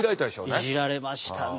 いじられましたね。